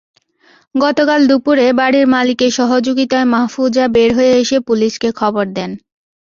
গতকাল দুপুরে বাড়ির মালিকের সহযোগিতায় মাহফুজা বের হয়ে এসে পুলিশকে খবর দেন।